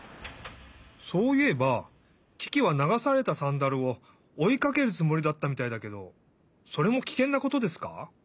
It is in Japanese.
そういえばキキは流されたサンダルをおいかけるつもりだったみたいだけどそれもキケンなことですか？